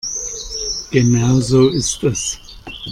Genau so ist es.